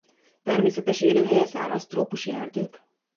Természetes élőhelye száraz trópusi erdők.